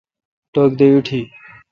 ٹک دے ایٹھی۔